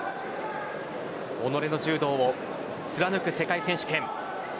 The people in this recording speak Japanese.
己の柔道を貫く世界選手権。